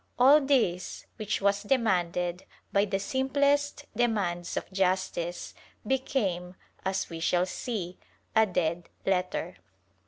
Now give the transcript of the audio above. ^ All this, which was demanded by the simplest demands of justice, became, as we shall see, a dead letter.